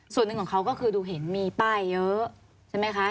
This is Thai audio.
ส่วนหนึ่งของเขาก็คือดูเห็นมีป้ายเยอะใช่ไหมคะ